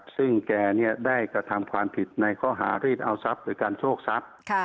ซึ่งแกได้กระทำความผิดในข้อหารีดเอาทรัพย์หรือการโชคทรัพย์